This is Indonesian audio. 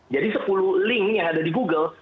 jadi sepuluh link yang ada di google